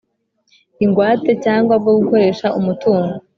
Ingwate cyangwa bwo gukoresha umutungo